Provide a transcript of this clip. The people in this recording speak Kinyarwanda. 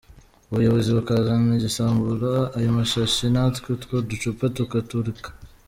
ubuyobozi bukazana igisimbura ayo mashashi, natwe utwo ducupa tukatureka.